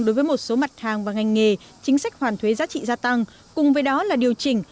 đối với một số mặt hàng và ngành nghề chính sách hoàn thuế giá trị gia tăng cùng với đó là điều chỉnh